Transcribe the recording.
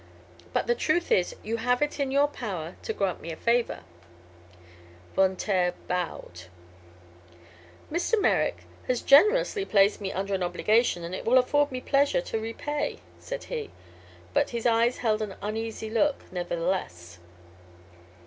But the truth is, you have it in your power to grant me a favor." Von Taer bowed. "Mr. Merrick has generously placed me under an obligation it will afford me pleasure to repay," said he. But his eyes held an uneasy look, nevertheless.